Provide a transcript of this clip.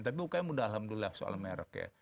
tapi ukm udah alhamdulillah soal merk ya